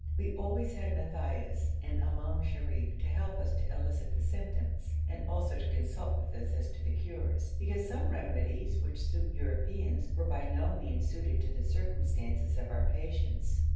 We always had Matthaios and Imam Sharif to help us to elicit the symptoms, and also to consult with as to the cures, because some remedies which suit Europeans were by no means suited to the circumstances of our patients.